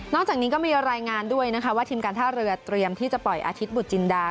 จากนี้ก็มีรายงานด้วยนะคะว่าทีมการท่าเรือเตรียมที่จะปล่อยอาทิตยบุตรจินดา